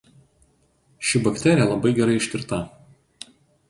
Ši bakterija labai gerai ištirta.